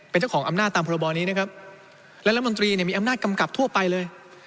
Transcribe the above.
เป็นเจ้าของอำนาจตามพรบนี้นะครับและรัฐมนตรีเนี่ยมีอำนาจกำกับทั่วไปเลย